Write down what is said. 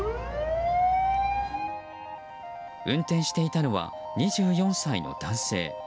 運転していたのは２４歳の男性。